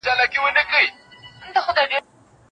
زکات مال نه کموي.